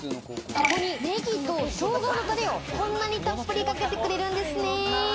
そこでネギとショウガのタレをこんなにたっぷりかけてくれるんですね。